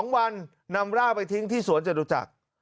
๑๒วันนำร่างไปทิ้งที่สวรรค์เจ้ารู้จัก